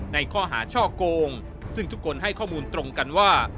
ในข้อหาช่อโกงซึ่งทุกคนให้ข้อมูลตรงกันว่า